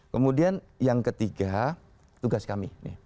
kemudian yang ketiga tugas kami